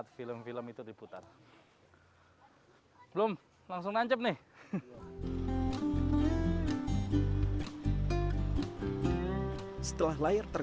terus sukanya sih